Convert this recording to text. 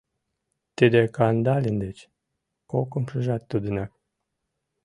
— Тиде Кандалин деч, кокымшыжат тудынак.